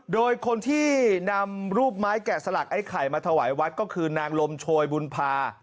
โดยคนที่นำรูปไม้แกะสลักไอ้ไข่มาถวายวัดก็คือนางลมโชยบุญภา